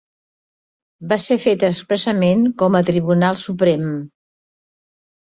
Va ser fet expressament com a tribunal suprem.